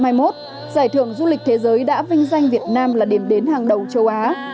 năm hai nghìn hai mươi một giải thưởng du lịch thế giới đã vinh danh việt nam là điểm đến hàng đầu châu á